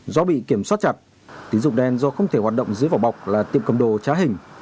do bị kiểm soát chặt tín dụng đen do không thể hoạt động dưới vỏ bọc là tiệm cầm đồ trá hình